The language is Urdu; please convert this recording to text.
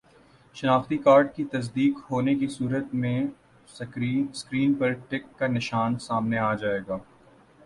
شناختی کارڈ کی تصدیق ہونے کی صورت میں سکرین پر ٹک کا نشان سامنے آ جائے گا